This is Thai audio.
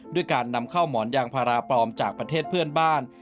ด้วยการนำเข้าหมอนยางพาราปลอมจากประเทศเพื่อนบ้าน